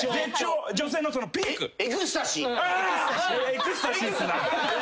エクスタシーっすな。